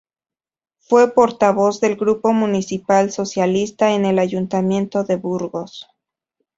Fue portavoz del Grupo Municipal Socialista en el Ayuntamiento de Burgos.